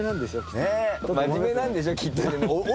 「真面目なんでしょきっと」って。